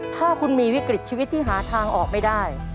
ถ้าคุณมีวิกฤตชีวิตที่หาทางออกไม่ได้